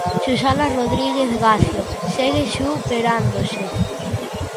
Susana Rodríguez Gacio segue superándose.